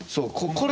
これ！？